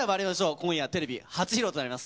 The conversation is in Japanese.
今夜テレビ初披露となります。